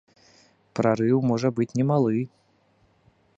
Прарыў можа быць не малы.